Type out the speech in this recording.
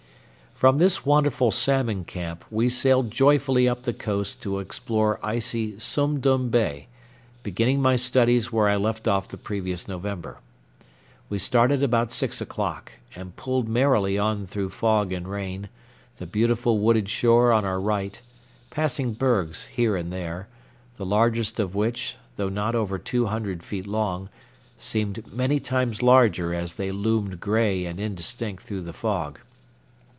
From this wonderful salmon camp we sailed joyfully up the coast to explore icy Sum Dum Bay, beginning my studies where I left off the previous November. We started about six o'clock, and pulled merrily on through fog and rain, the beautiful wooded shore on our right, passing bergs here and there, the largest of which, though not over two hundred feet long, seemed many times larger as they loomed gray and indistinct through the fog.